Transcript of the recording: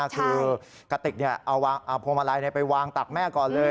คือกระติกเอาพวงมาลัยไปวางตักแม่ก่อนเลย